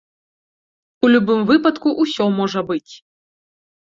У любым выпадку, усё можа быць.